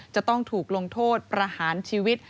จะต้องถูกลงโทษประหารชีวิต